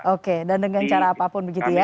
oke dan dengan cara apapun begitu ya